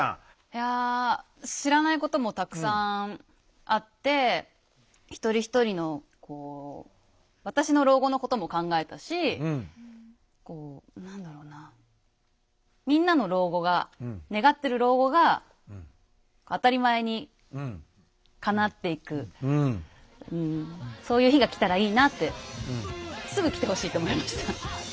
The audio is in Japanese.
いや知らないこともたくさんあって一人一人のこう私の老後のことも考えたし何だろうなみんなの老後が願ってる老後が当たり前にかなっていくそういう日が来たらいいなってすぐ来てほしいと思いました。